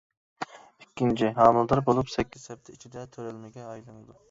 ئىككىنچى، ھامىلىدار بولۇپ سەككىز ھەپتە ئىچىدە تۆرەلمىگە ئايلىنىدۇ.